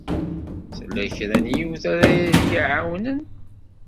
Tella kra n yiwet ara yi-iɛawnen?